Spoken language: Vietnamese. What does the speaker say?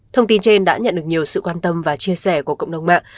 thông tin trên đã nhận được nhiều sự quan tâm và chia sẻ của cộng đồng mạng